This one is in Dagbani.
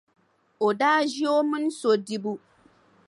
O daa ʒi o mini so dibu.